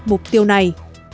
mục tiêu này